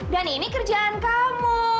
dan ini kerjaan kamu